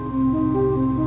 tidak ada yang tahu